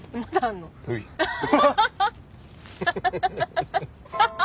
ハハハハハ！